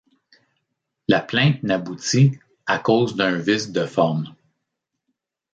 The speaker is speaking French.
La plainte n'aboutit à cause d'un vice de forme.